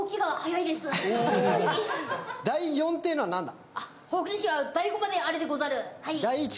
第４っていうのはなんだ？